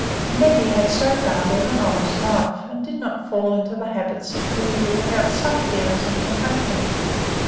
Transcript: Neddy had so far led an honest life, and did not fall into habits of thievery without some feelings of compunction.